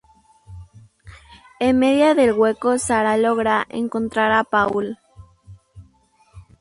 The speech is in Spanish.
En medio del hueco Sara logra encontrar a Paul.